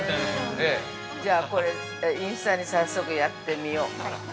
◆じゃあ、これ、インスタに早速やってみよ。